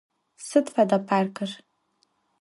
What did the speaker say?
Sıd feda parkır?